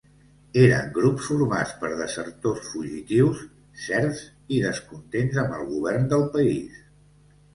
Eren grups formats per desertors fugitius, serfs i descontents amb el govern del país.